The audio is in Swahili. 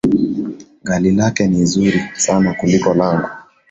Gari lake ni zuri sana kuliko langu